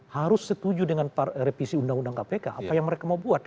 harus setuju dengan revisi undang undang kpk apa yang mereka mau buat